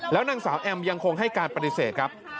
แล้วนางสาวแอมยังคงให้การปฏิเสธครับ